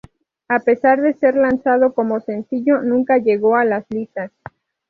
A pesar de ser lanzado como sencillo nunca llegó a las listas.